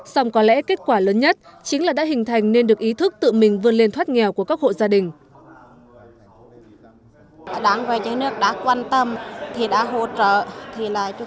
xong có lẽ kết quả lớn nhất chính là đã hình thành nên được ý thức tự mình vươn lên thoát nghèo của các hộ gia đình